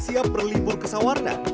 siap berlibur ke sawarna